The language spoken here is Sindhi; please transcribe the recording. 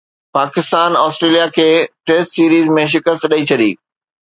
پاڪستان آسٽريليا کي ٽيسٽ سيريز ۾ شڪست ڏئي ڇڏي